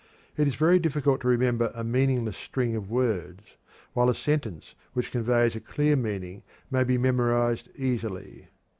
It is very difficult to remember a meaningless string of words, while a sentence which conveys a clear meaning may be memorized easily.